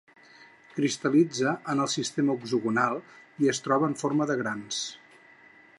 Cristal·litza en el sistema hexagonal, i es troba en forma de grans.